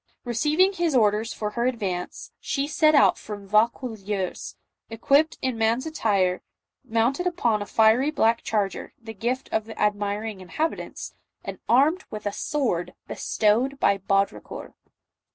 Receiving his orders for her ad vance, she set out from Vaucouleurs, equipped in man's attire, mounted upon a fiery black charger, the gift of the admiring inhabitants, and armed with a sword bestowed by Baudricourt.